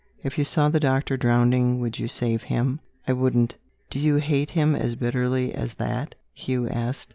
"If you saw the doctor drowning, would you save him? I wouldn't!" "Do you hate him as bitterly as that?" Hugh asked.